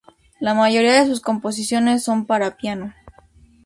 La mayoría de sus composiciones son para piano.